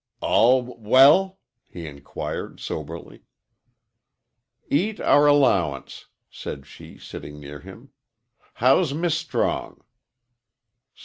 "All w well?" he inquired, soberly. "Eat our allowance," said she, sitting near him. "How's Miss Strong?"